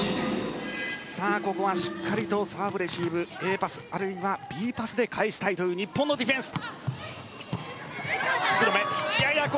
ここはしっかりサーブレシーブＡパス、あるいはＢパスで返したい日本のディフェンス。